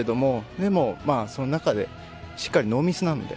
でも、その中でしっかりノーミスなので。